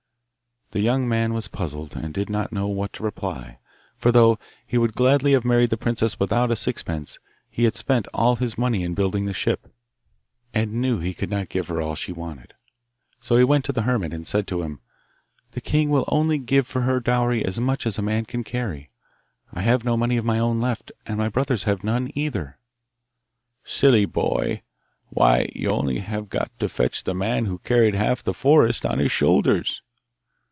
The young man was puzzled, and did not know what to reply, for, though he would gladly have married the princess without a sixpence, he had spent all his money in building the ship, and knew he could not give her all she wanted. So he went to the hermit and said to him, 'The king will only give for her dowry as much as a man can carry. I have no money of my own left, and my brothers have none either.' 'Silly boy! Why, you have only got to fetch the man who carried half the forest on his shoulders.